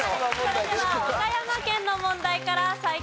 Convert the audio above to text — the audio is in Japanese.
それでは岡山県の問題から再開です。